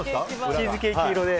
チーズケーキ色で。